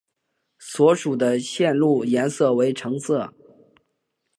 所属的线路颜色为橙色。